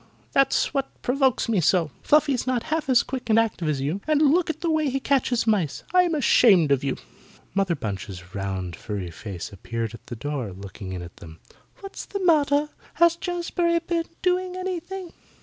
That's what provokes me so. Fluffy's not half as quick and active as you, and look at the way he catches mice. I'm ashamed of you." Mother Bunch's round furry face appeared at the door looking in at them. "What's the matter? Has Jazbury been doing anything?"